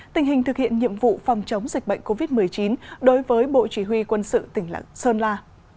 tình hình thực hiện nhiệm vụ phòng chống dịch bệnh covid một mươi chín đối với bộ chỉ huy quân sự tỉnh sơn la